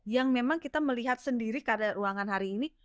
yang memang kita melihat sendiri karena ruangan hari ini